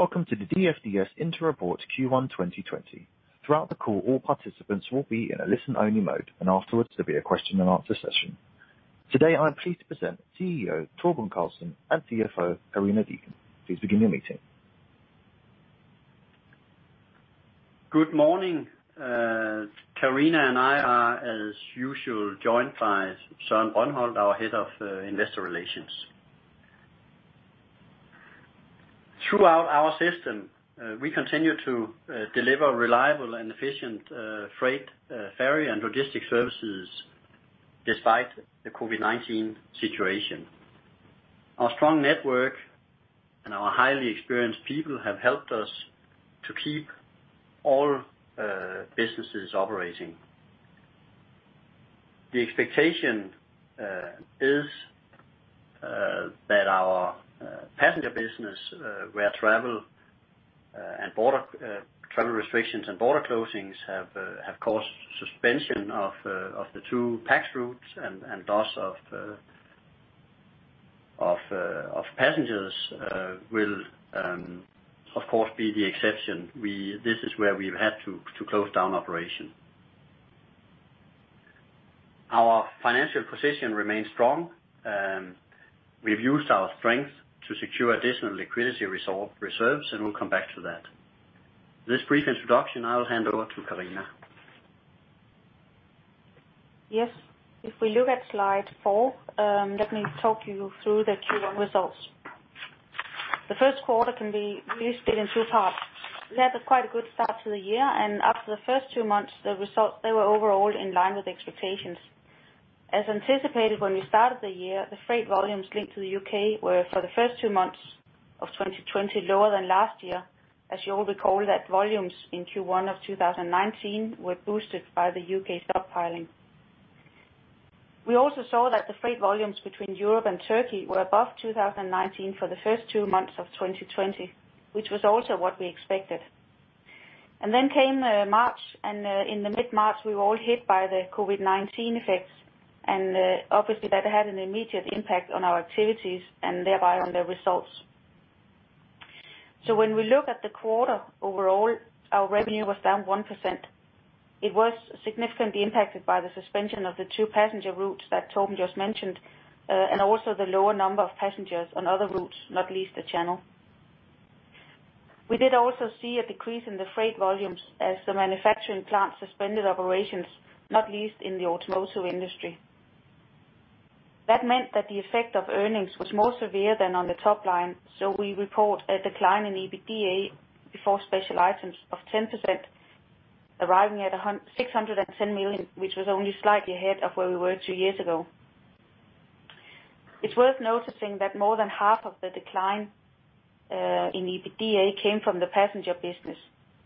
Welcome to the DFDS Interim Report Q1 2020. Throughout the call, all participants will be in a listen-only mode, and afterwards there'll be a question-and-answer session. Today, I'm pleased to present CEO Torben Carlsen and CFO Karina Deacon. Please begin your meeting. Good morning. Karina and I are, as usual, joined by Søren Brøndholt, our Head of Investor Relations. Throughout our system, we continue to deliver reliable and efficient freight, ferry, and logistics services despite the COVID-19 situation. Our strong network and our highly experienced people have helped us to keep all businesses operating. The expectation is that our passenger business, where travel restrictions and border closings have caused suspension of the two pax routes and loss of passengers, will of course be the exception. This is where we've had to close down operation. Our financial position remains strong. We've used our strength to secure additional liquidity reserves, and we'll come back to that. With this brief introduction, I'll hand over to Karina. Yes. If we look at slide four, let me talk you through the Q1 results. The first quarter can be really split in two parts. We had quite a good start to the year. After the first two months, the results, they were overall in line with expectations. As anticipated, when we started the year, the freight volumes linked to the U.K. were, for the first two months of 2020, lower than last year, as you'll recall that volumes in Q1 of 2019 were boosted by the U.K. stockpiling. We also saw that the freight volumes between Europe and Turkey were above 2019 for the first two months of 2020, which was also what we expected. Then came March. In the mid-March, we were all hit by the COVID-19 effects. Obviously, that had an immediate impact on our activities and thereby on the results. When we look at the quarter overall, our revenue was down 1%. It was significantly impacted by the suspension of the two passenger routes that Torben just mentioned, and also the lower number of passengers on other routes, not least the Channel. We did also see a decrease in the freight volumes as the manufacturing plant suspended operations, not least in the automotive industry. That meant that the effect of earnings was more severe than on the top line, we report a decline in EBITDA before special items of 10%, arriving at 610 million, which was only slightly ahead of where we were two years ago. It is worth noticing that more than half of the decline in EBITDA came from the passenger business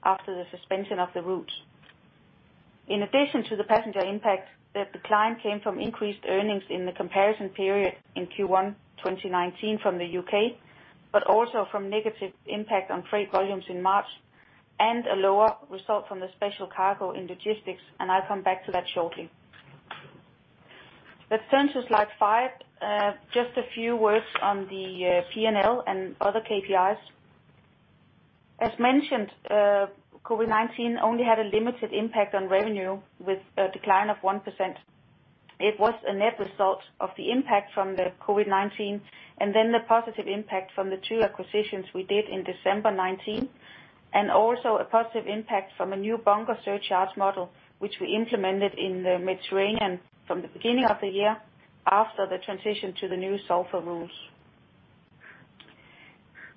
after the suspension of the routes. In addition to the passenger impact, the decline came from increased earnings in the comparison period in Q1 2019 from the U.K., but also from negative impact on freight volumes in March and a lower result from the special cargo in logistics, and I'll come back to that shortly. Let's turn to slide five. Just a few words on the P&L and other KPIs. As mentioned, COVID-19 only had a limited impact on revenue with a decline of 1%. It was a net result of the impact from the COVID-19, and then the positive impact from the two acquisitions we did in December 2019, and also a positive impact from a new bunker surcharge model, which we implemented in the Mediterranean from the beginning of the year after the transition to the new sulfur rules.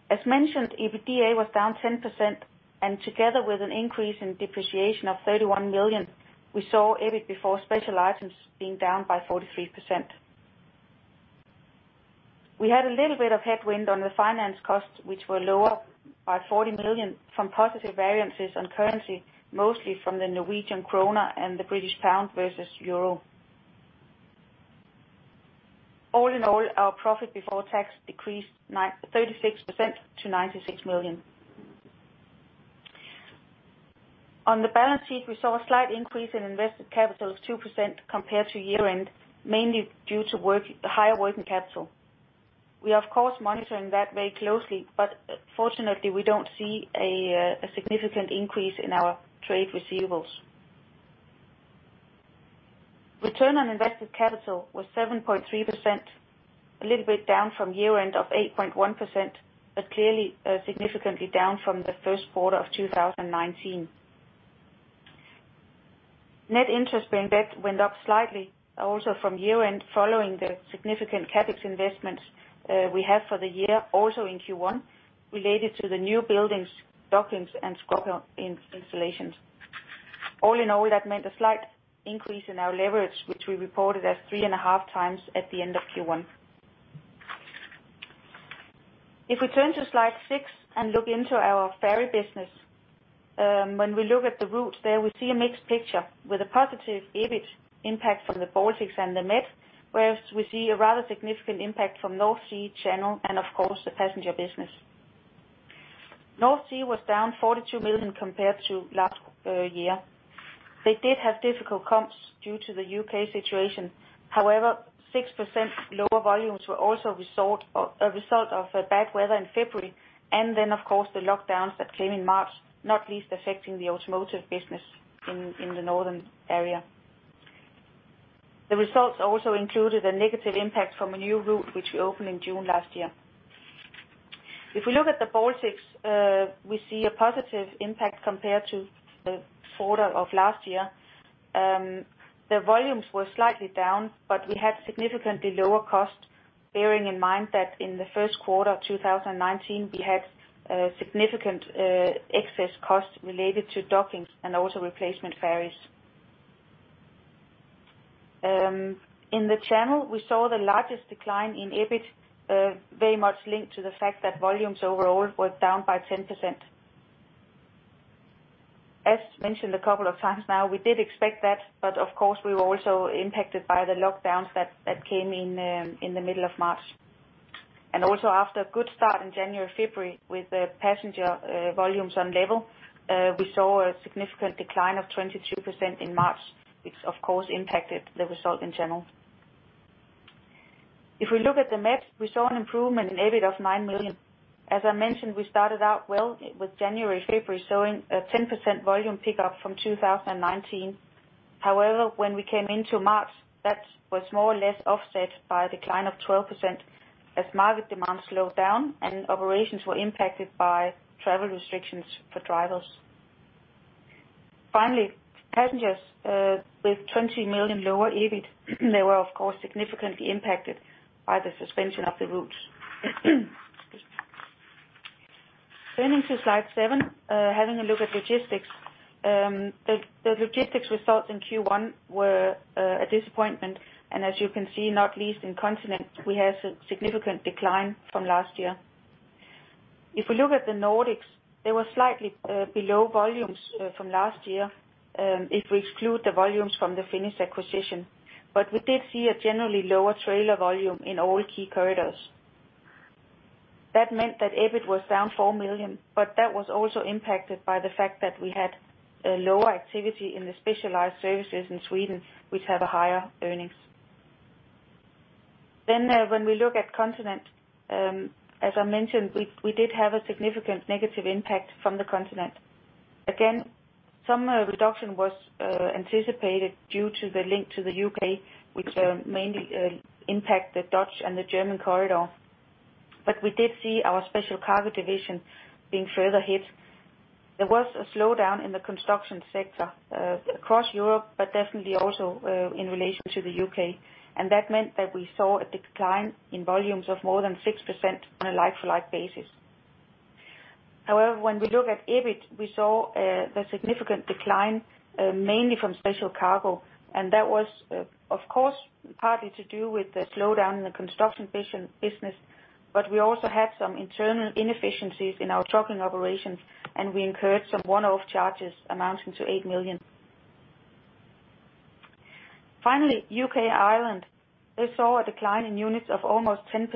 As mentioned, EBITDA was down 10%, and together with an increase in depreciation of 31 million, we saw EBIT before special items being down by 43%. We had a little bit of headwind on the finance costs, which were lower by 40 million from positive variances on currency, mostly from the Norwegian krone and the British pound versus euro. All in all, our profit before tax decreased 36% to 96 million. On the balance sheet, we saw a slight increase in invested capital of 2% compared to year-end, mainly due to higher working capital. We are, of course, monitoring that very closely, but fortunately, we don't see a significant increase in our trade receivables. Return on invested capital was 7.3%, a little bit down from year-end of 8.1%, but clearly significantly down from the first quarter of 2019. Net interest being debt went up slightly also from year-end following the significant CapEx investments we had for the year also in Q1 related to the new buildings, dockings, and scrubber installations. All in all, that meant a slight increase in our leverage, which we reported as 3.5x at the end of Q1. If we turn to slide six and look into our Ferry business, when we look at the routes there, we see a mixed picture with a positive EBIT impact from the Baltics and the Med, whereas we see a rather significant impact from North Sea, Channel, and of course, the passenger business. North Sea was down 42 million compared to last year. They did have difficult comps due to the U.K. situation. However 6% lower volumes were also a result of bad weather in February, and then, of course, the lockdowns that came in March, not least affecting the automotive business in the northern area. The results also included a negative impact from a new route, which we opened in June last year. If we look at the Baltics, we see a positive impact compared to the quarter of last year. The volumes were slightly down, but we had significantly lower cost, bearing in mind that in the first quarter of 2019, we had significant excess cost related to dockings and also replacement ferries. In the Channel, we saw the largest decline in EBIT, very much linked to the fact that volumes overall were down by 10%. As mentioned a couple of times now, we did expect that, but of course, we were also impacted by the lockdowns that came in the middle of March. Also after a good start in January, February with the passenger volumes on level, we saw a significant decline of 23% in March, which of course impacted the result in Channel. If we look at the Med, we saw an improvement in EBIT of 9 million. As I mentioned, we started out well with January, February showing a 10% volume pickup from 2019. However, when we came into March, that was more or less offset by a decline of 12% as market demand slowed down and operations were impacted by travel restrictions for drivers. Finally, passengers, with 20 million lower EBIT, they were, of course, significantly impacted by the suspension of the routes. Excuse me. Turning to slide seven, having a look at Logistics. The Logistics results in Q1 were a disappointment. As you can see, not least in Continent, we had a significant decline from last year. If we look at the Nordics, they were slightly below volumes from last year, if we exclude the volumes from the Finnish acquisition. We did see a generally lower trailer volume in all key corridors. That meant that EBIT was down 4 million. That was also impacted by the fact that we had a lower activity in the specialized services in Sweden, which have higher earnings. When we look at Continent, as I mentioned, we did have a significant negative impact from the Continent. Again, some reduction was anticipated due to the link to the U.K., which mainly impact the Dutch and the German corridor. We did see our special cargo division being further hit. There was a slowdown in the construction sector across Europe, but definitely also in relation to the U.K. That meant that we saw a decline in volumes of more than 6% on a like-to-like basis. However, when we look at EBIT, we saw the significant decline, mainly from special cargo, and that was, of course, partly to do with the slowdown in the construction business. We also had some internal inefficiencies in our trucking operations, and we incurred some one-off charges amounting to 8 million. Finally, U.K., Ireland, they saw a decline in units of almost 10%,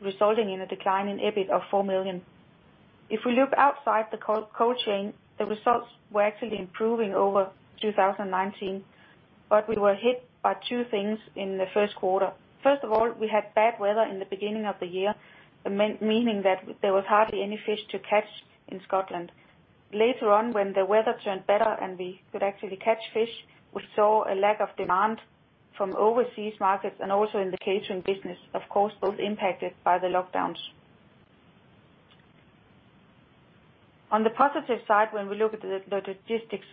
resulting in a decline in EBIT of 4 million. If we look outside the cold chain, the results were actually improving over 2019, but we were hit by two things in the first quarter. First of all, we had bad weather in the beginning of the year, meaning that there was hardly any fish to catch in Scotland. Later on, when the weather turned better and we could actually catch fish, we saw a lack of demand from overseas markets and also in the catering business, of course, both impacted by the lockdowns. On the positive side, when we look at the Logistics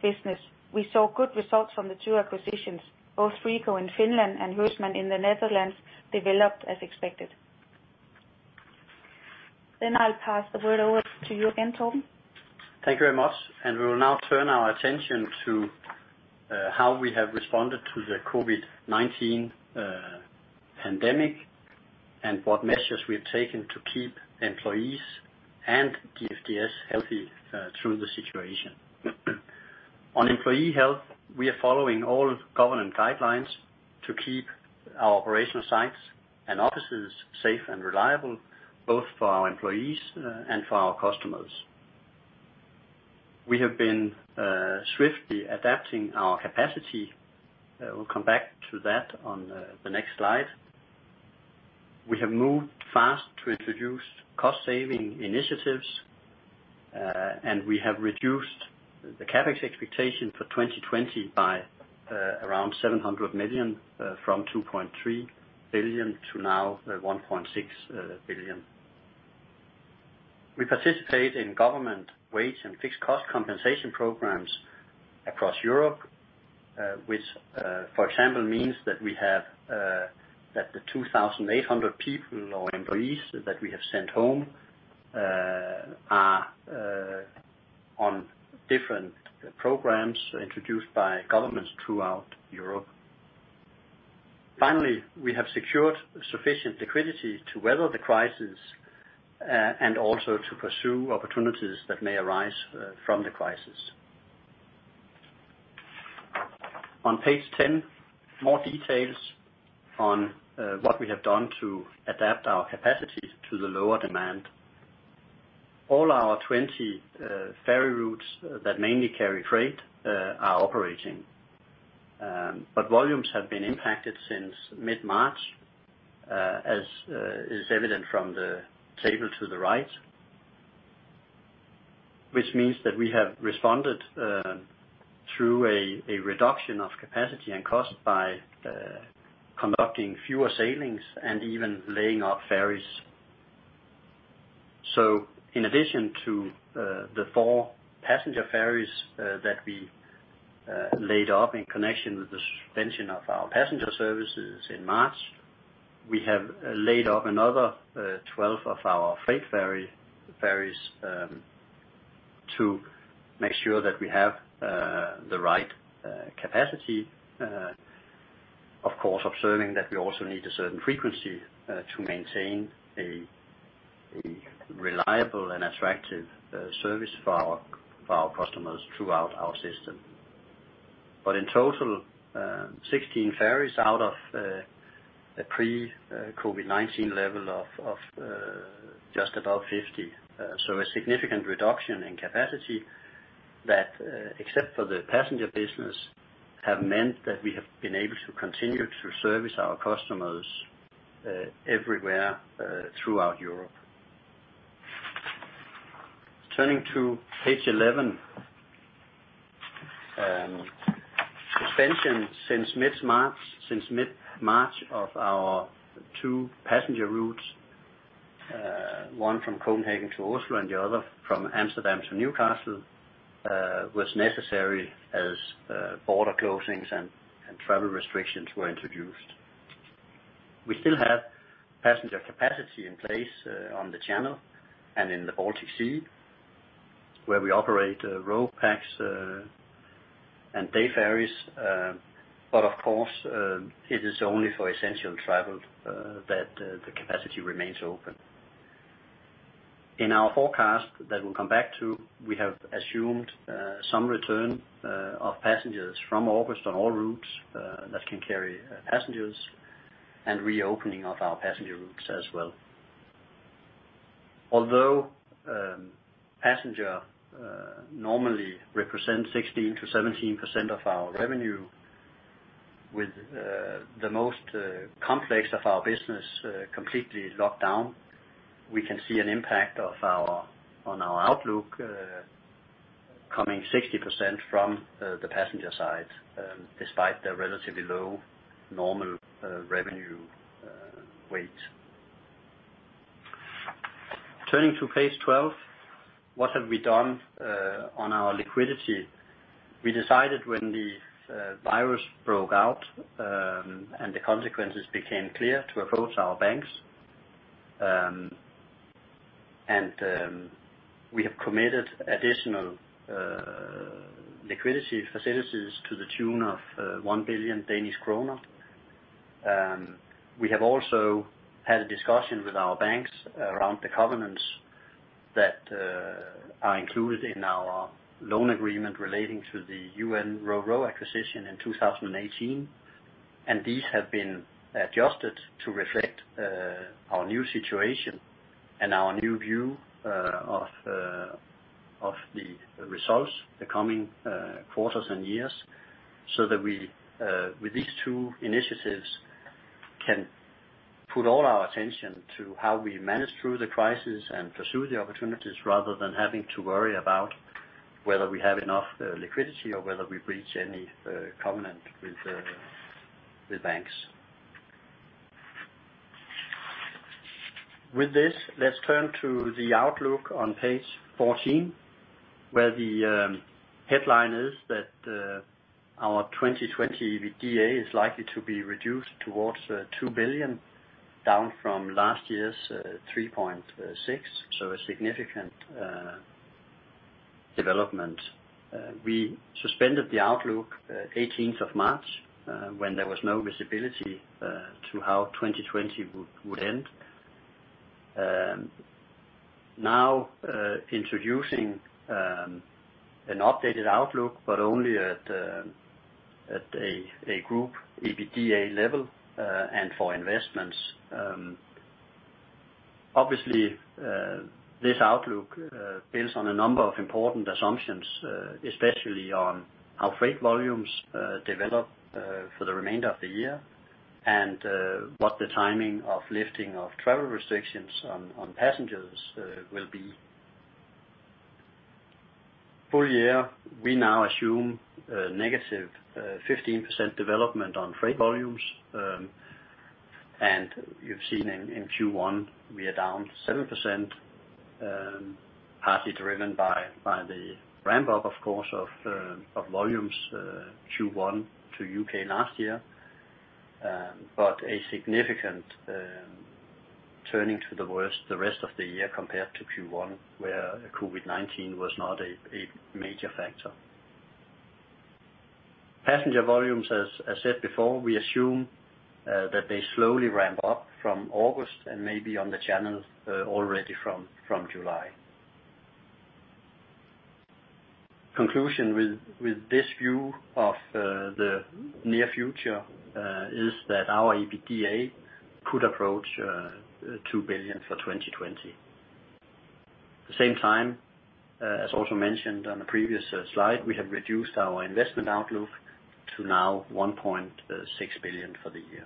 business, we saw good results from the two acquisitions. Both Freeco in Finland and Huisman in the Netherlands developed as expected. I'll pass the word over to you again, Torben. Thank you very much. We will now turn our attention to how we have responded to the COVID-19 pandemic and what measures we've taken to keep employees and DFDS healthy through the situation. On employee health, we are following all government guidelines to keep our operational sites and offices safe and reliable, both for our employees and for our customers. We have been swiftly adapting our capacity. We'll come back to that on the next slide. We have moved fast to introduce cost-saving initiatives, and we have reduced the CapEx expectation for 2020 by around 700 million from 2.3 billion to now 1.6 billion. We participate in government wage and fixed cost compensation programs across Europe, which, for example, means that the 2,800 people or employees that we have sent home are on different programs introduced by governments throughout Europe. Finally, we have secured sufficient liquidity to weather the crisis, and also to pursue opportunities that may arise from the crisis. On page 10, more details on what we have done to adapt our capacity to the lower demand. All our 20 ferry routes that mainly carry freight are operating. Volumes have been impacted since mid-March, as is evident from the table to the right. Which means that we have responded through a reduction of capacity and cost by conducting fewer sailings and even laying off ferries. In addition to the four passenger ferries that we laid off in connection with the suspension of our passenger services in March, we have laid off another 12 of our freight ferries to make sure that we have the right capacity. Of course, observing that we also need a certain frequency to maintain a reliable and attractive service for our customers throughout our system. In total, 16 ferries out of a pre-COVID-19 level of just above 50. A significant reduction in capacity that, except for the passenger business, have meant that we have been able to continue to service our customers everywhere throughout Europe. Turning to page 11. Suspension since mid-March of our two passenger routes, one from Copenhagen to Oslo and the other from Amsterdam to Newcastle, was necessary as border closings and travel restrictions were introduced. We still have passenger capacity in place on the channel and in the Baltic Sea, where we operate RoPax and day ferries. Of course, it is only for essential travel that the capacity remains open. In our forecast that we'll come back to, we have assumed some return of passengers from August on all routes that can carry passengers and reopening of our passenger routes as well. Although passenger normally represents 16% to 17% of our revenue, with the most complex of our business completely locked down, we can see an impact on our outlook coming 60% from the passenger side, despite the relatively low normal revenue weight. Turning to page 12, what have we done on our liquidity? We decided when the virus broke out, and the consequences became clear, to approach our banks. We have committed additional liquidity facilities to the tune of 1 billion Danish kroner. We have also had a discussion with our banks around the covenants that are included in our loan agreement relating to the U.N. Ro-Ro acquisition in 2018. These have been adjusted to reflect our new situation and our new view of the results the coming quarters and years, so that with these two initiatives, can put all our attention to how we manage through the crisis and pursue the opportunities rather than having to worry about whether we have enough liquidity or whether we breach any covenant with banks. With this, let's turn to the outlook on page 14, where the headline is that our 2020 EBITDA is likely to be reduced towards 2 billion, down from last year's 3.6 billion. A significant development. We suspended the outlook 18th of March, when there was no visibility to how 2020 would end. Now introducing an updated outlook, only at a group EBITDA level, and for investments. Obviously, this outlook builds on a number of important assumptions, especially on how freight volumes develop for the remainder of the year and what the timing of lifting of travel restrictions on passengers will be. Full year, we now assume a -15% development on freight volumes. You've seen in Q1, we are down 7%, partly driven by the ramp-up, of course, of volumes Q1 to U.K. last year. A significant turning to the worst the rest of the year compared to Q1, where COVID-19 was not a major factor. Passenger volumes, as I said before, we assume that they slowly ramp-up from August and maybe on the channel already from July. Conclusion with this view of the near future is that our EBITDA could approach 2 billion for 2020. At the same time, as also mentioned on the previous slide, we have reduced our investment outlook to now 1.6 billion for the year.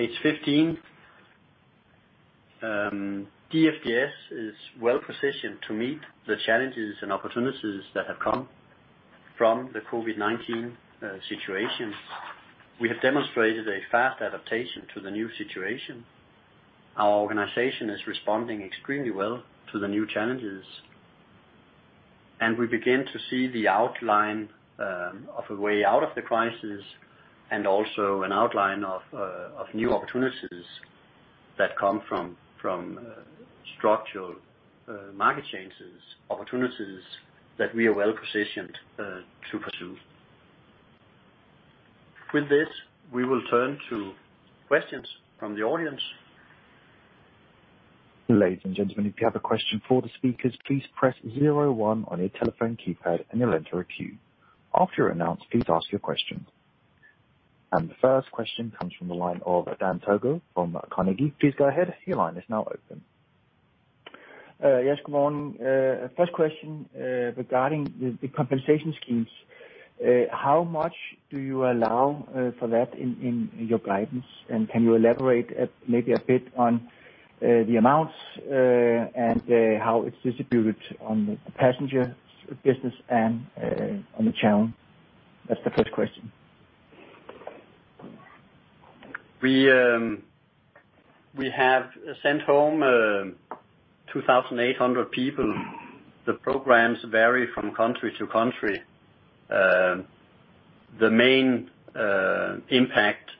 Page 15. DFDS is well-positioned to meet the challenges and opportunities that have come from the COVID-19 situation. We have demonstrated a fast adaptation to the new situation. Our organization is responding extremely well to the new challenges, and we begin to see the outline of a way out of the crisis and also an outline of new opportunities that come from structural market changes, opportunities that we are well positioned to pursue. With this, we will turn to questions from the audience. Ladies and gentlemen, if you have a question for the speakers, please press zero one on your telephone keypad and you'll enter a queue. After you're announced, please ask your question. The first question comes from the line of Dan Togo from Carnegie. Please go ahead. Your line is now open. Good morning. First question regarding the compensation schemes. How much do you allow for that in your guidance? Can you elaborate maybe a bit on the amounts, and how it's distributed on the passenger business and on the Channel? That's the first question. We have sent home 2,800 people. The programs vary from country to country. The main impact,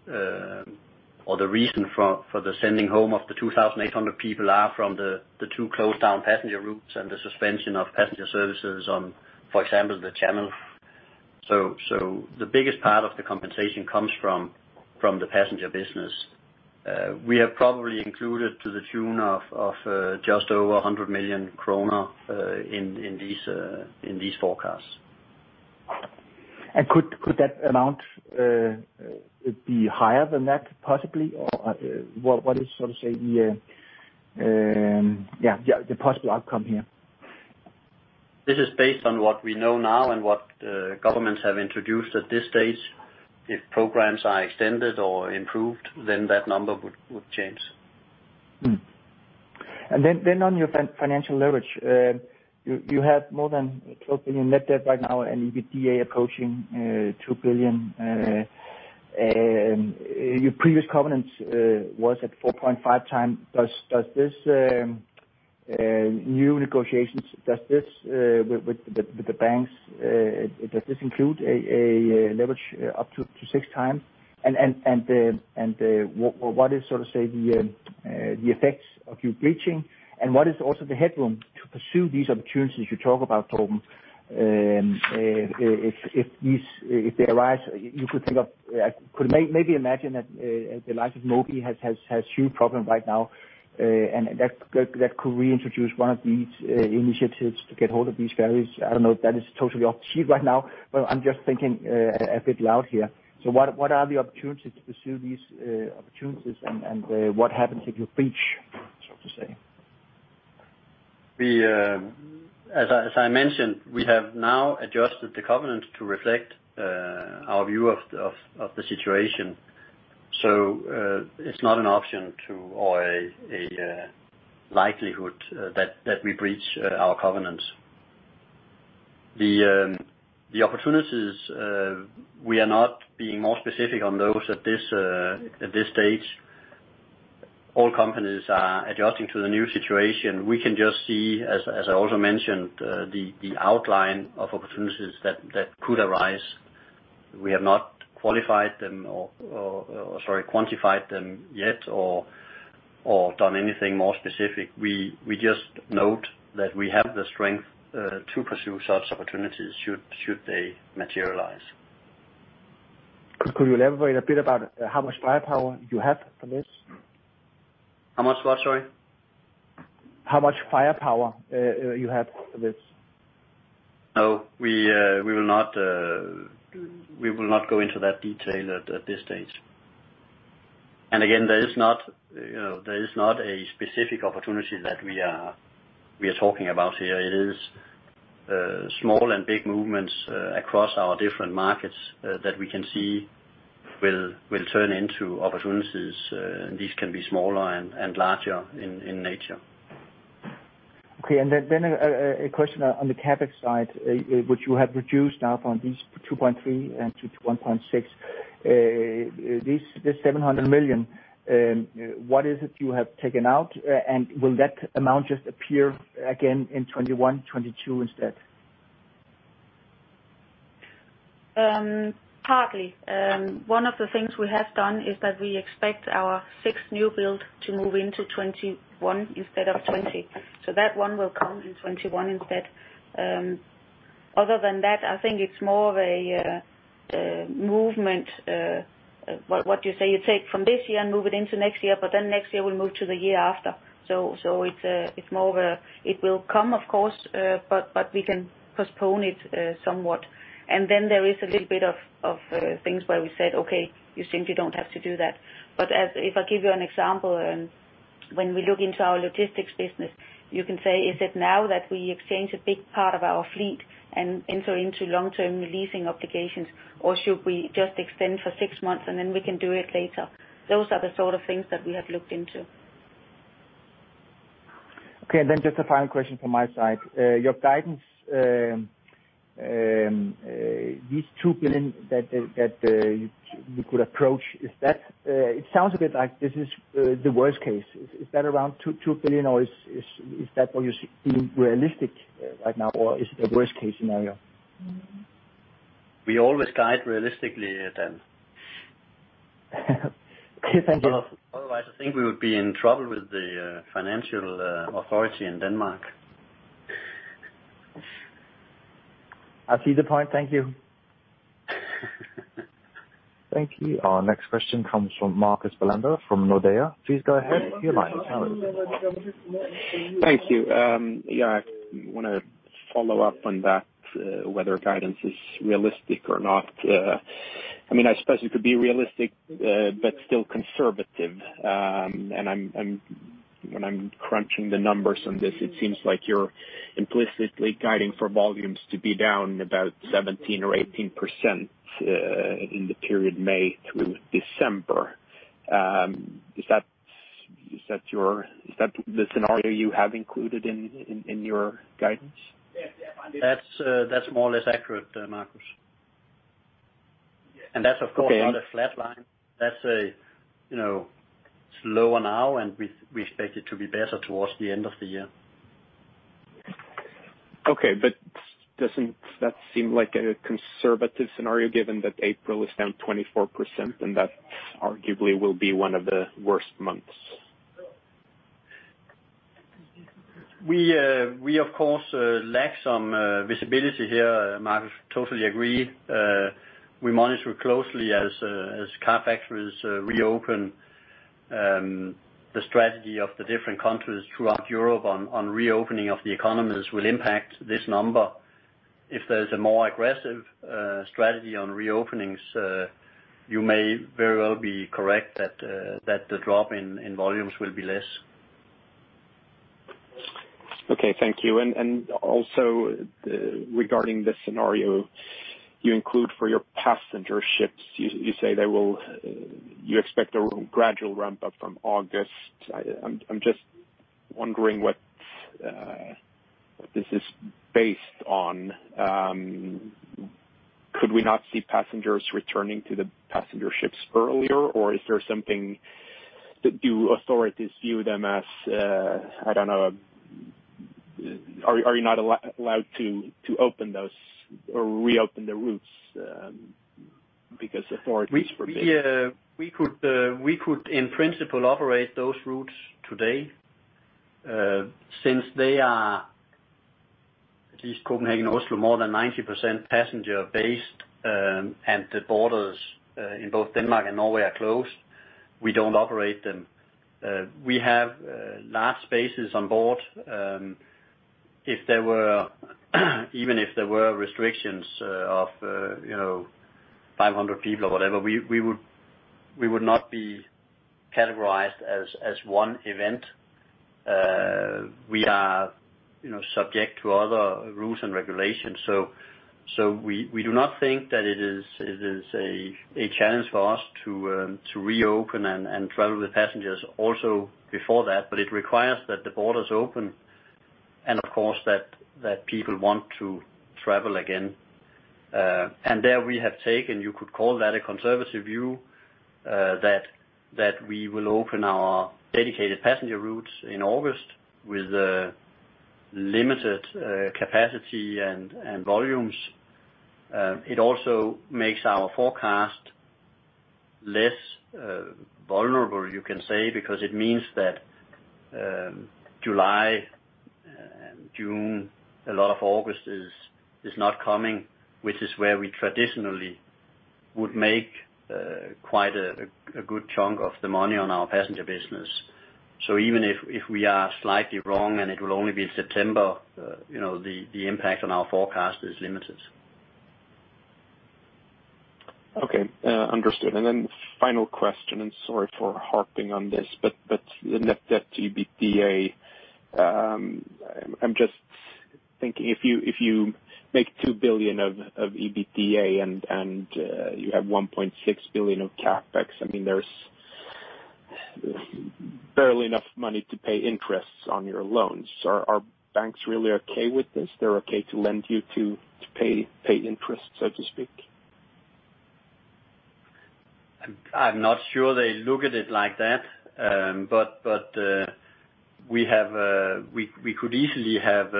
or the reason for the sending home of the 2,800 people are from the two closed down passenger routes and the suspension of passenger services on, for example, the channel. The biggest part of the compensation comes from the passenger business. We have probably included to the tune of just over 100 million kroner in these forecasts. Could that amount be higher than that, possibly? What is the possible outcome here? This is based on what we know now and what governments have introduced at this stage. If programs are extended or improved, that number would change. On your financial leverage. You have more than 12 billion net debt right now and EBITDA approaching 2 billion. Your previous covenant was at 4.5x. Does this new negotiations with the banks include a leverage up to 6x? What is the effects of you breaching, and what is also the headroom to pursue these opportunities you talk about, Torben, if they arise, you could think of, could maybe imagine that the likes of Moby has huge problem right now, and that could reintroduce one of these initiatives to get hold of these ferries. I don't know if that is totally off-script right now, but I'm just thinking a bit loud here. What are the opportunities to pursue these opportunities, and what happens if you breach, so to say? As I mentioned, we have now adjusted the covenant to reflect our view of the situation. It's not an option to, or a likelihood that we breach our covenants. The opportunities, we are not being more specific on those at this stage. All companies are adjusting to the new situation. We can just see, as I also mentioned, the outline of opportunities that could arise. We have not quantified them yet or done anything more specific. We just note that we have the strength to pursue such opportunities should they materialize. Could you elaborate a bit about how much firepower you have for this? How much what, sorry? How much firepower you have for this? No, we will not go into that detail at this stage. Again, there is not a specific opportunity that we are talking about here. It is small and big movements across our different markets that we can see will turn into opportunities, and these can be smaller and larger in nature. A question on the CapEx side, which you have reduced now from 2.3 billion-1.6 billion. This 700 million, what is it you have taken out, and will that amount just appear again in 2021, 2022 instead? Partly. One of the things we have done is that we expect our sixth new build to move into 2021 instead of 2020. That one will come in 2021 instead. Other than that, I think it's more of a movement. What you say, you take from this year and move it into next year, but then next year will move to the year after. It will come, of course, but we can postpone it somewhat. There is a little bit of things where we said, "Okay, you simply don't have to do that." If I give you an example, when we look into our Logistics business, you can say, is it now that we exchange a big part of our fleet and enter into long-term leasing obligations, or should we just extend for six months, and then we can do it later? Those are the sort of things that we have looked into. Just a final question from my side. Your guidance, these 2 billion that you could approach, it sounds a bit like this is the worst case. Is that around 2 billion, or is that what you're seeing realistic right now, or is it a worst-case scenario? We always guide realistically, Dan. Thank you. Otherwise, I think we would be in trouble with the financial authority in Denmark. I see the point. Thank you. Thank you. Our next question comes from Marcus Bellander from Nordea. Please go ahead, your line is open. Thank you. Yeah, I want to follow-up on that, whether guidance is realistic or not. I suppose it could be realistic, but still conservative. When I'm crunching the numbers on this, it seems like you're implicitly guiding for volumes to be down about 17% or 18% in the period May through December. Is that the scenario you have included in your guidance? That's more or less accurate, Marcus. That's, of course, not a flat line. That's slower now, and we expect it to be better towards the end of the year. Okay. Doesn't that seem like a conservative scenario, given that April is down 24%, and that arguably will be one of the worst months? We, of course, lack some visibility here, Marcus. Totally agree. We monitor closely as car factories reopen. The strategy of the different countries throughout Europe on reopening of the economies will impact this number. If there's a more aggressive strategy on reopenings, you may very well be correct that the drop in volumes will be less. Okay, thank you. Also, regarding the scenario you include for your passenger ships, you say you expect a gradual ramp-up from August. I'm just wondering what this is based on. Could we not see passengers returning to the passenger ships earlier, or do authorities view them as, I don't know. Are you not allowed to open those or reopen the routes because authorities forbid it? We could, in principle, operate those routes today. Since they are, at least Copenhagen, Oslo, more than 90% passenger based, and the borders in both Denmark and Norway are closed, we don't operate them. We have large spaces on board. Even if there were restrictions of 500 people or whatever, we would not be categorized as one event. We are subject to other rules and regulations. We do not think that it is a challenge for us to reopen and travel with passengers also before that, but it requires that the borders open, and of course, that people want to travel again. There we have taken, you could call that a conservative view, that we will open our dedicated passenger routes in August with limited capacity and volumes. It also makes our forecast less vulnerable, you can say, because it means that July, June, a lot of August is not coming, which is where we traditionally would make quite a good chunk of the money on our passenger business. Even if we are slightly wrong and it will only be September, the impact on our forecast is limited. Okay. Understood. Final question, sorry for harping on this, net debt to EBITDA, I am just thinking, if you make 2 billion of EBITDA and you have 1.6 billion of CapEx, there is barely enough money to pay interest on your loans. Are banks really okay with this? They are okay to lend you to pay interest, so to speak? I'm not sure they look at it like that. We could easily have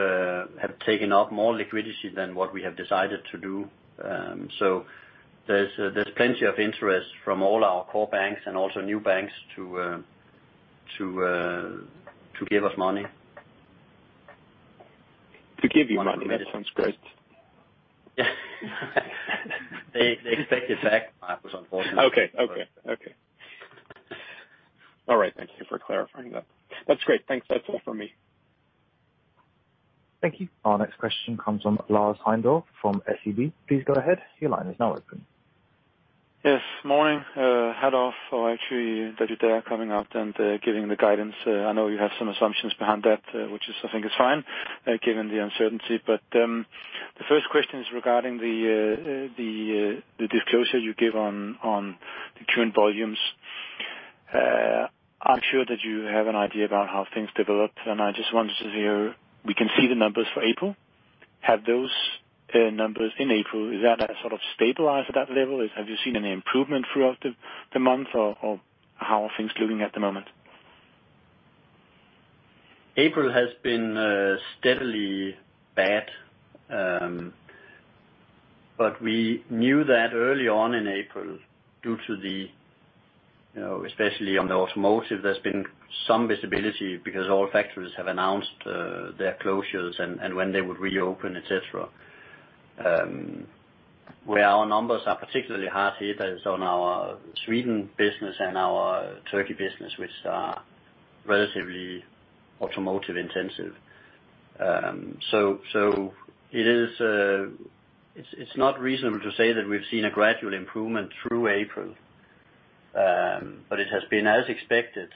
taken up more liquidity than what we have decided to do. There's plenty of interest from all our core banks and also new banks to give us money. To give you money. That sounds great. They take it back, unfortunately. Okay. All right. Thank you for clarifying that. That's great. Thanks. That's all from me. Thank you. Our next question comes from Lars Heindorff from SEB. Please go ahead. Your line is now open. Yes, morning. Hat off, or actually, that you dare coming out and giving the guidance. I know you have some assumptions behind that, which I think is fine given the uncertainty. The first question is regarding the disclosure you gave on the current volumes. I'm sure that you have an idea about how things developed, and I just wanted to hear, we can see the numbers for April. Have those numbers in April, is that sort of stabilized at that level? Have you seen any improvement throughout the month, or how are things looking at the moment? April has been steadily bad. We knew that early on in April due to the Especially on the automotive, there's been some visibility because all factories have announced their closures and when they would reopen, et cetera. Where our numbers are particularly hard hit is on our Sweden business and our Turkey business, which are relatively automotive intensive. It's not reasonable to say that we've seen a gradual improvement through April. It has been as expected,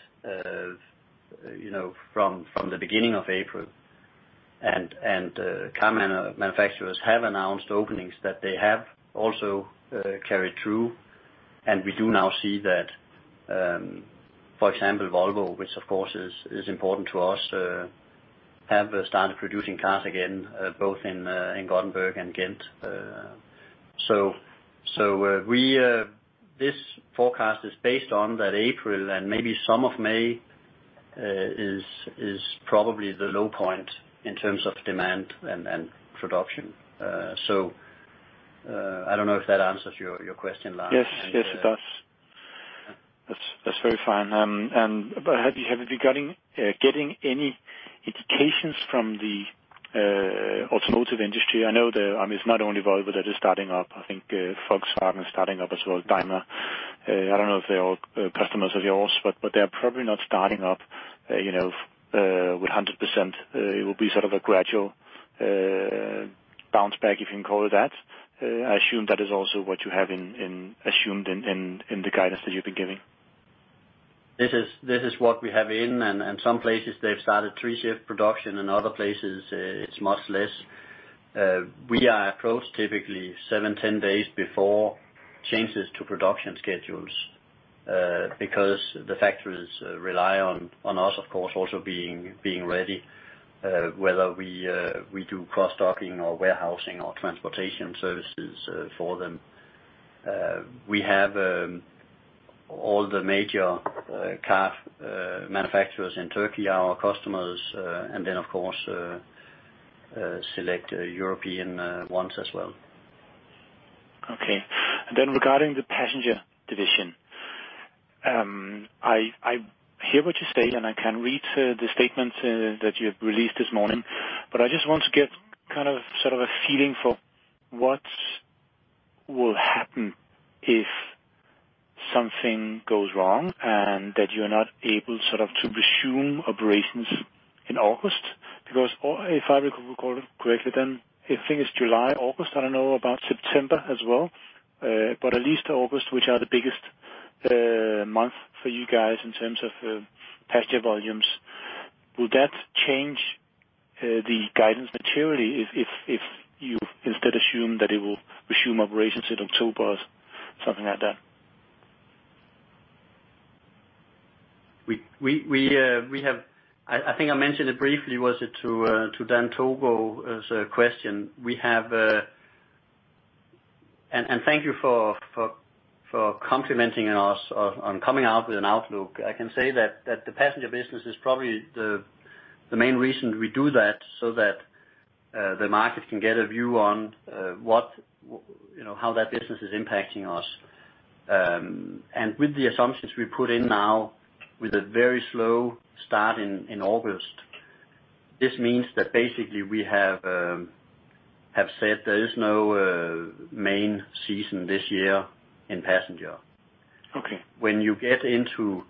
from the beginning of April. Car manufacturers have announced openings that they have also carried through, and we do now see that, for example, Volvo, which of course is important to us, have started producing cars again, both in Gothenburg and Ghent. This forecast is based on that April and maybe some of May, is probably the low point in terms of demand and production. I don't know if that answers your question, Lars. Yes, it does. That's very fine. Have you regarding getting any indications from the automotive industry? I know that, it's not only Volvo that is starting up. I think Volkswagen is starting up as well, Daimler. I don't know if they are customers of yours, but they're probably not starting up with 100%. It will be sort of a gradual bounce back, if you can call it that. I assume that is also what you have assumed in the guidance that you've been giving. This is what we have in, and some places they've started three shift production and other places it's much less. We are approached typically seven, 10 days before changes to production schedules, because the factories rely on us, of course, also being ready, whether we do cross-docking or warehousing or transportation services for them. We have all the major car manufacturers in Turkey, our customers, and then of course, select European ones as well. Okay. Regarding the passenger division. I hear what you say, and I can read the statement that you've released this morning, but I just want to get sort of a feeling for what will happen if something goes wrong, and that you're not able to resume operations in August. Because if I recall correctly, then I think it's July, August, I don't know about September as well. But at least August, which are the biggest month for you guys in terms of passenger volumes. Will that change the guidance materially if you instead assume that it will resume operations in October, something like that? I think I mentioned it briefly, was it to Dan Togo as a question. Thank you for complimenting us on coming out with an outlook. I can say that the passenger business is probably the main reason we do that, so that the market can get a view on how that business is impacting us. With the assumptions we put in now, with a very slow start in August, this means that basically we have said there is no main season this year in passenger. Okay. When you get into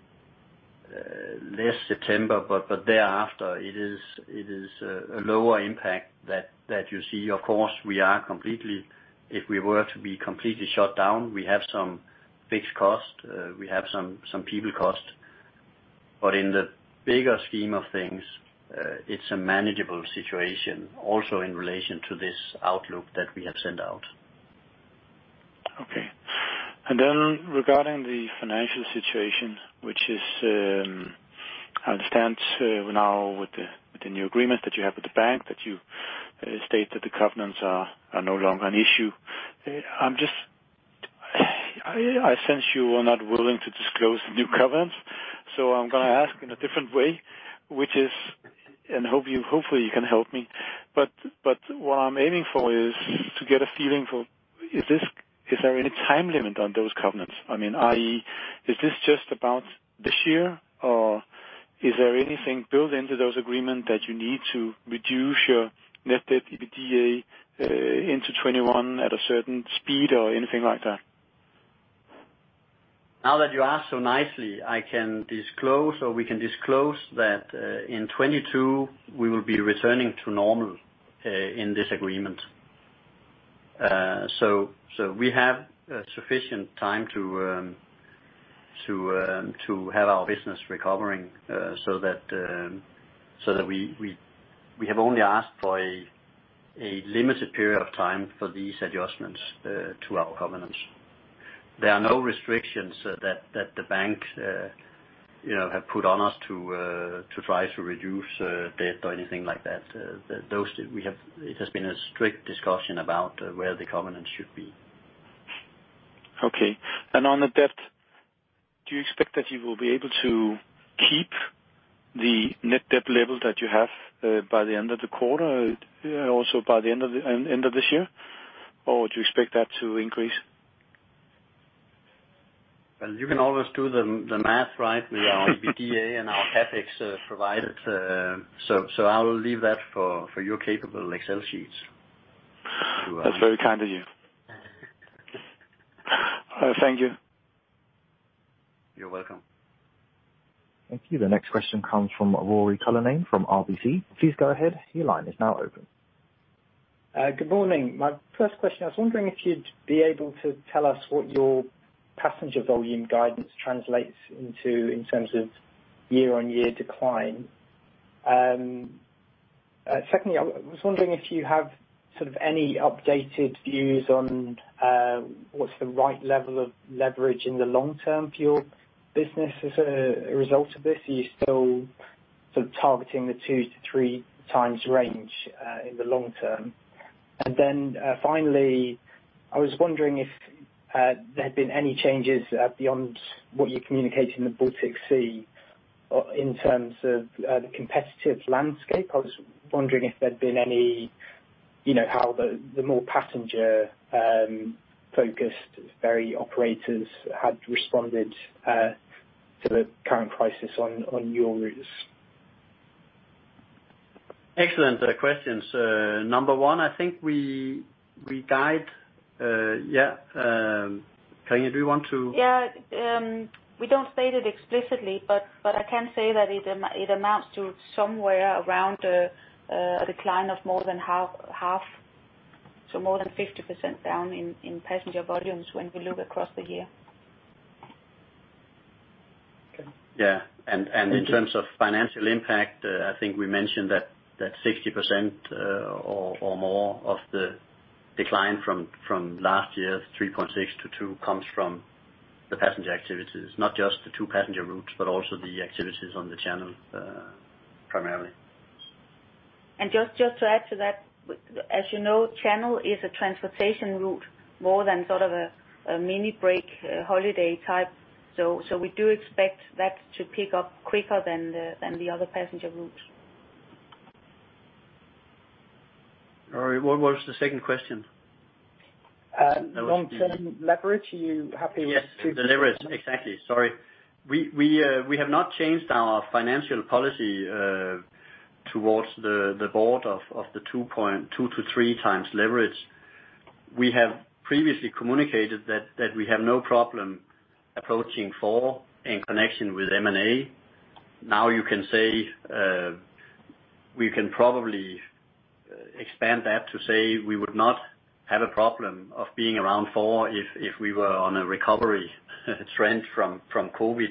less September, thereafter, it is a lower impact that you see. Of course, if we were to be completely shut down, we have some fixed cost, we have some people cost. In the bigger scheme of things, it's a manageable situation also in relation to this outlook that we have sent out. Okay. Regarding the financial situation, I understand now with the new agreement that you have with the bank, that you state that the covenants are no longer an issue. I sense you are not willing to disclose the new covenants. I'm going to ask in a different way. Hopefully you can help me. What I'm aiming for is to get a feeling for, is there any time limit on those covenants? I mean, i.e., is this just about this year, or is there anything built into those agreement that you need to reduce your net debt EBITDA into 2021 at a certain speed or anything like that? Now that you ask so nicely, I can disclose, or we can disclose that, in 2022, we will be returning to normal in this agreement. We have sufficient time to have our business recovering, so that we have only asked for a limited period of time for these adjustments to our covenants. There are no restrictions that the bank have put on us to try to reduce debt or anything like that. It has been a strict discussion about where the covenants should be. Okay. On the debt, do you expect that you will be able to keep the net debt level that you have by the end of the quarter, also by the end of this year? Do you expect that to increase? Well, you can always do the math, right? With our EBITDA and our CapEx provided. I will leave that for your capable Excel sheets. That's very kind of you. Thank you. You're welcome. Thank you. The next question comes from Ruairi Cullinane from RBC. Please go ahead. Your line is now open. Good morning. My first question, I was wondering if you'd be able to tell us what your passenger volume guidance translates into in terms of year-on-year decline. Secondly, I was wondering if you have any updated views on what's the right level of leverage in the long-term for your business as a result of this. Are you still targeting the two to three times range, in the long-term? Finally, I was wondering if there had been any changes beyond what you communicate in the Baltic Sea, in terms of the competitive landscape. I was wondering if there'd been any, how the more passenger-focused ferry operators had responded to the current crisis on your routes. Excellent questions. Number one, I think we guide, yeah. Karina, do you want to? Yeah. We don't state it explicitly, but I can say that it amounts to somewhere around a decline of more than half, so more than 50% down in passenger volumes when we look across the year. Yeah. In terms of financial impact, I think we mentioned that 60% or more of the decline from last year, 3.6 to two comes from the passenger activities. Not just the two passenger routes, but also the activities on the Channel, primarily. Just to add to that, as you know, Channel is a transportation route more than sort of a mini break holiday type. We do expect that to pick up quicker than the other passenger routes. Ruairi, what was the second question? Long-term leverage. Are you happy- Yes. The leverage. Exactly. Sorry. We have not changed our financial policy towards the board of the two to three times leverage. We have previously communicated that we have no problem approaching four in connection with M&A. You can say, we can probably expand that to say we would not have a problem of being around four if we were on a recovery trend from COVID.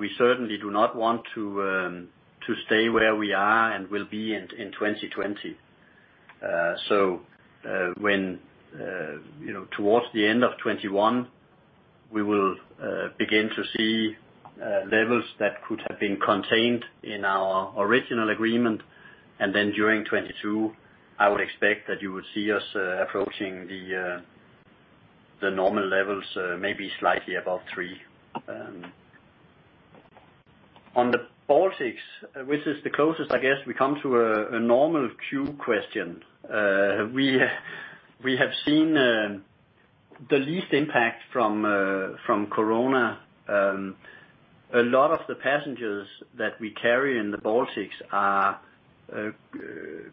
We certainly do not want to stay where we are and will be in 2020. When towards the end of 2021, we will begin to see levels that could have been contained in our original agreement. During 2022, I would expect that you would see us approaching the normal levels, maybe slightly above three. On the Baltics, which is the closest, I guess, we come to a normal queue question. We have seen the least impact from Corona. A lot of the passengers that we carry in the Baltics are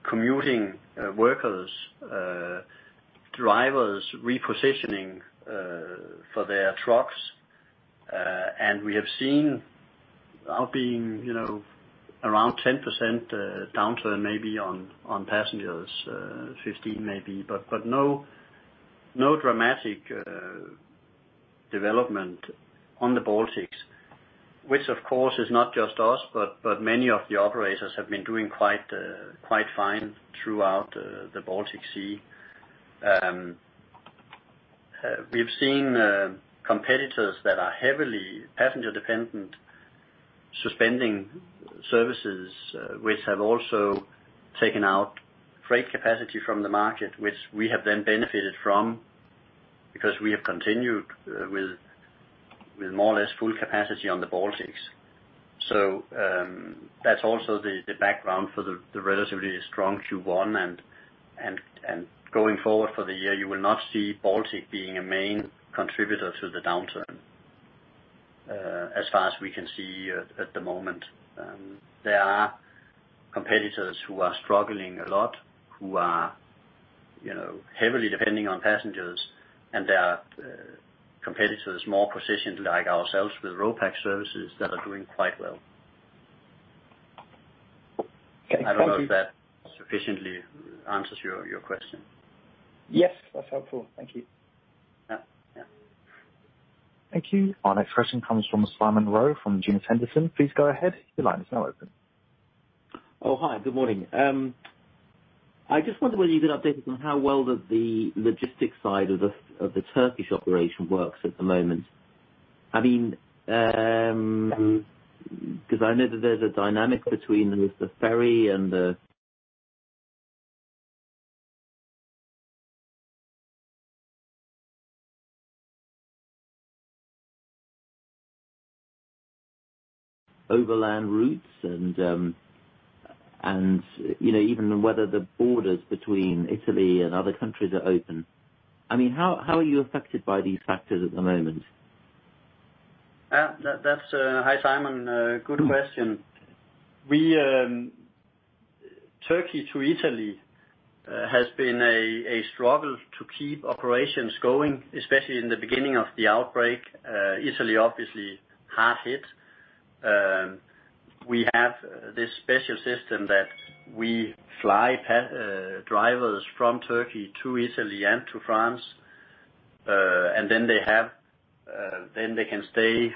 commuting workers, drivers repositioning for their trucks. We have seen our being around 10% downturn, maybe, on passengers, 15% maybe. No dramatic development on the Baltics, which of course is not just us, but many of the operators have been doing quite fine throughout the Baltic Sea. We have seen competitors that are heavily passenger-dependent suspending services, which have also taken out freight capacity from the market, which we have then benefited from. Because we have continued with more or less full capacity on the Baltics. That's also the background for the relatively strong Q1. Going forward for the year, you will not see Baltic being a main contributor to the downturn, as far as we can see at the moment. There are competitors who are struggling a lot, who are heavily depending on passengers, and there are competitors more positioned like ourselves with RoPax services that are doing quite well. Okay. Thank you. I don't know if that sufficiently answers your question. Yes, that's helpful. Thank you. Yeah. Thank you. Our next question comes from Simon Rowe, from Janus Henderson. Please go ahead. Your line is now open. Oh, hi. Good morning. I just wonder whether you could update us on how well the logistics side of the Turkish operation works at the moment. I know that there's a dynamic between the ferry and the overland routes and even whether the borders between Italy and other countries are open. How are you affected by these factors at the moment? Hi, Simon. Good question. Turkey to Italy has been a struggle to keep operations going, especially in the beginning of the outbreak. Italy, obviously hard hit. We have this special system that we fly drivers from Turkey to Italy and to France. They can stay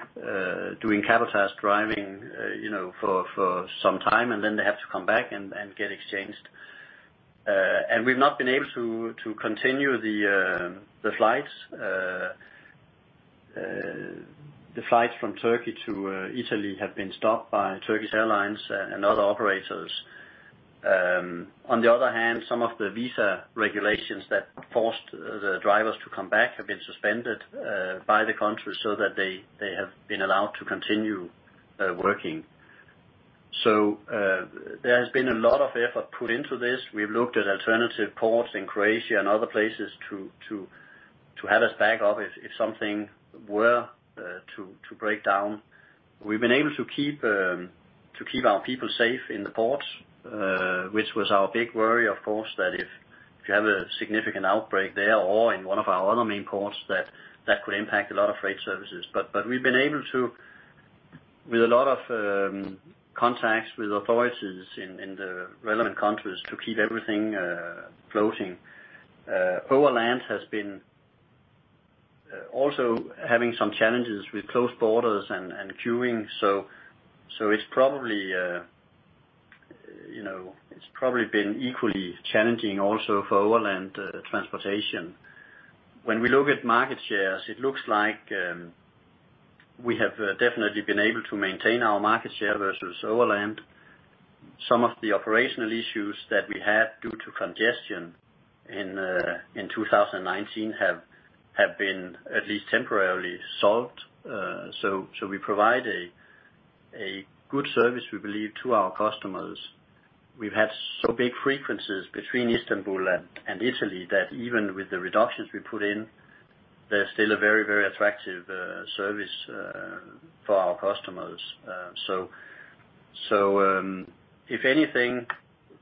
doing cabotage driving for some time, and then they have to come back and get exchanged. We've not been able to continue the flights. The flights from Turkey to Italy have been stopped by Turkish Airlines and other operators. On the other hand, some of the visa regulations that forced the drivers to come back have been suspended by the country so that they have been allowed to continue working. There has been a lot of effort put into this. We've looked at alternative ports in Croatia and other places to have as back up if something were to break down. We've been able to keep our people safe in the ports, which was our big worry, of course, that if you have a significant outbreak there or in one of our other main ports, that could impact a lot of freight services. We've been able to, with a lot of contacts with authorities in the relevant countries, to keep everything floating. Overland has been also having some challenges with closed borders and queuing. It's probably been equally challenging also for overland transportation. When we look at market shares, it looks like we have definitely been able to maintain our market share versus overland. Some of the operational issues that we had due to congestion in 2019 have been at least temporarily solved. We provide a good service, we believe, to our customers. We've had so big frequencies between Istanbul and Italy that even with the reductions we put in, they're still a very attractive service for our customers. If anything,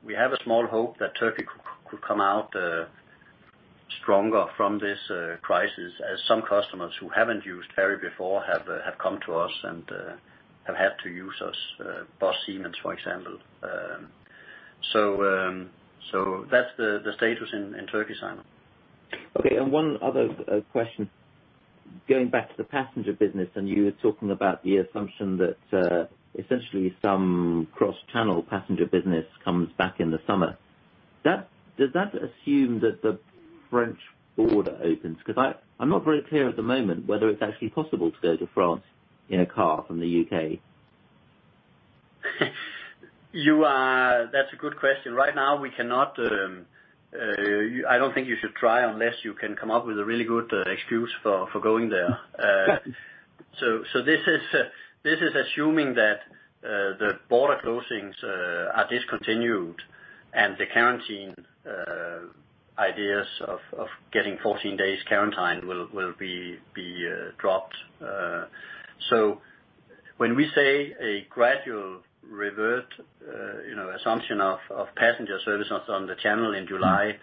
we have a small hope that Turkey could come out stronger from this crisis, as some customers who haven't used ferry before have come to us and have had to use us. Bosch Siemens, for example. That's the status in Turkey, Simon. Okay. One other question. Going back to the passenger business, you were talking about the assumption that essentially some cross-channel passenger business comes back in the summer. Does that assume that the French border opens? I'm not very clear at the moment whether it's actually possible to go to France in a car from the U.K. That's a good question. Right now, I don't think you should try unless you can come up with a really good excuse for going there. This is assuming that the border closings are discontinued and the quarantine ideas of getting 14 days quarantine will be dropped. When we say a gradual revert assumption of passenger services on the channel in July,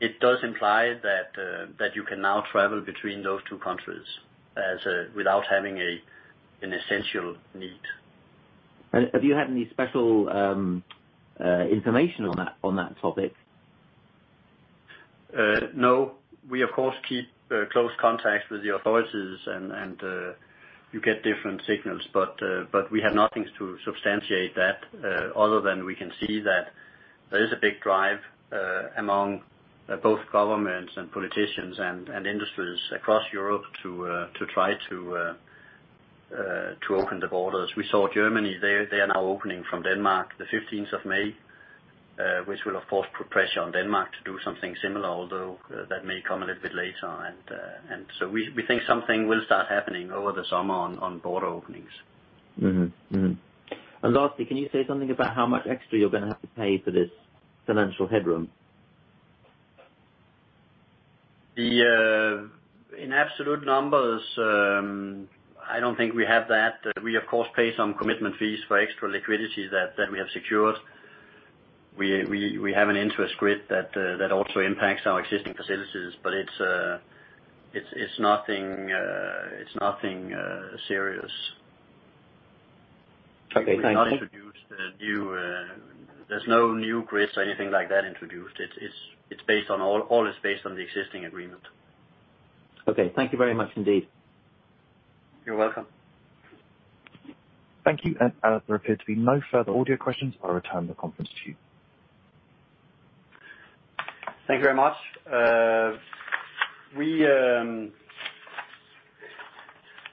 it does imply that you can now travel between those two countries without having an essential need. Have you had any special information on that topic? No. We, of course, keep close contact with the authorities, and you get different signals. We have nothing to substantiate that, other than we can see that there is a big drive among both governments and politicians and industries across Europe to try to open the borders. We saw Germany, they are now opening from Denmark the 15th of May, which will of course put pressure on Denmark to do something similar, although that may come a little bit later. We think something will start happening over the summer on border openings. Lastly, can you say something about how much extra you're going to have to pay for this financial headroom? In absolute numbers, I don't think we have that. We, of course, pay some commitment fees for extra liquidity that we have secured. We have an interest grid that also impacts our existing facilities, but it's nothing serious. Okay. Thank you. There's no new grids or anything like that introduced. All is based on the existing agreement. Okay. Thank you very much indeed. You're welcome. Thank you. There appear to be no further audio questions. I'll return the conference to you. Thank you very much.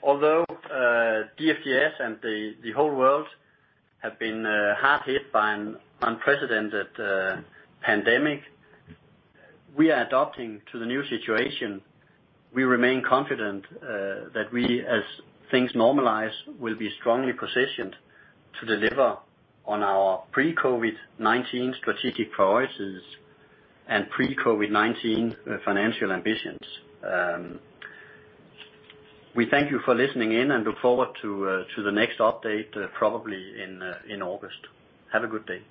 Although DFDS and the whole world have been hard hit by an unprecedented pandemic, we are adapting to the new situation. We remain confident that we, as things normalize, will be strongly positioned to deliver on our pre-COVID-19 strategic priorities and pre-COVID-19 financial ambitions. We thank you for listening in and look forward to the next update, probably in August. Have a good day.